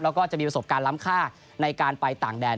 แล้วก็จะมีประสบการณ์ล้ำค่าในการไปต่างแดน